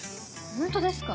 ホントですか？